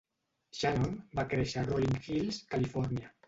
Shannon va créixer a Rolling Hills (Califòrnia).